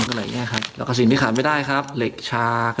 ค่ะแล้วก็สิ่งที่ขาดไม่ได้ครับเหล็กชาก